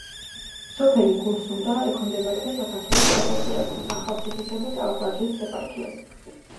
სოფელი გულსუნდა ექვემდებარება საქართველოს საპატრიარქოს ახალციხისა და ტაო-კლარჯეთის ეპარქიას.